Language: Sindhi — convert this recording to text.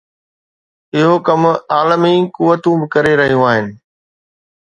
اهو ڪم عالمي قوتون به ڪري رهيون آهن.